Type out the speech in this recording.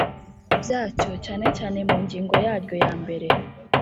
byacyo cyane cyane mu ngingo yaryo ya mbere